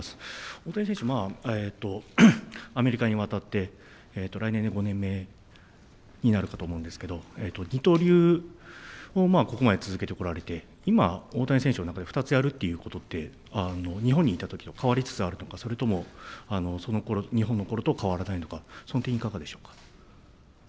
大谷選手、アメリカに渡って、来年で５年目になるかと思うんですけれども、二刀流をここまで続けてこられて今、大谷選手の中で２つやるということは、日本にいたときと変わりつつあるのか、それとも、日本のころと変わらないのか、その点いかがでしょうか。